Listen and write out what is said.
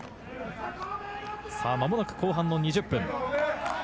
間もなく後半の２０分。